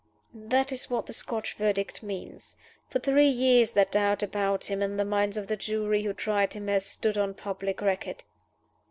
"That is what the Scotch Verdict means. For three years that doubt about him in the minds of the jury who tried him has stood on public record."